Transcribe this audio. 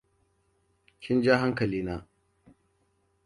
Kin ja hankali na.